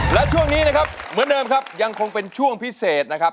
และช่วงนี้นะครับเหมือนเดิมครับยังคงเป็นช่วงพิเศษนะครับ